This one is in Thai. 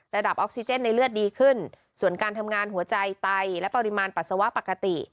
ออกซิเจนในเลือดดีขึ้นส่วนการทำงานหัวใจไตและปริมาณปัสสาวะปกติ